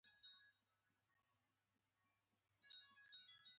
ورور ته تل محتاج یې.